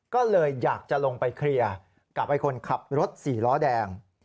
ก็เลยอยากจะลงไปเคลียร์กับไอ้คนขับรถสี่ล้อแดง